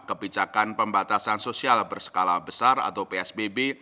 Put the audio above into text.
kebijakan pembatasan sosial berskala besar atau psbb